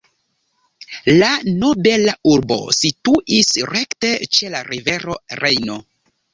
La nobela urbo situis rekte ĉe la rivero Rejno.